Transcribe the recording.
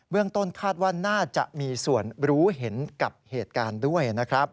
ต้นคาดว่าน่าจะมีส่วนรู้เห็นกับเหตุการณ์ด้วยนะครับ